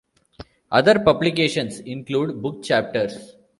Other publications include book chapters.